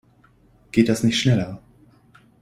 Geht das nicht schneller?